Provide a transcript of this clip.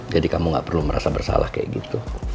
jadi kamu gak perlu merasa bersalah kayak gitu